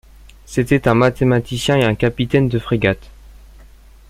C'était un mathématicien et un capitaine de frégate.